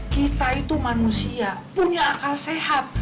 kita itu manusia punya akal sehat